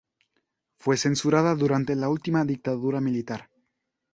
Fue censurada durante la última dictadura militar.